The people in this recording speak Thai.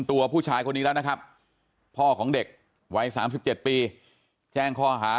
ตัวผู้ชายคนนี้แล้วนะครับพ่อของเด็กวัย๓๗ปีแจ้งข้อหา